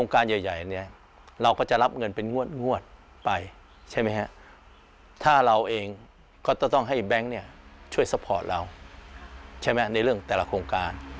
การแบงค์ช่วยซัพพอร์ตเราในเรื่องแต่ละโครงการ